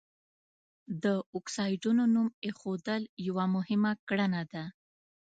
د اکسایډونو نوم ایښودل یوه مهمه کړنه ده.